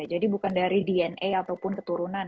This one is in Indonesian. jadi bukan dari dna ataupun keturunan